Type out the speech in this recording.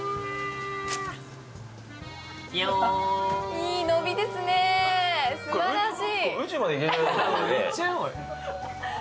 いい伸びですね、すばらしい。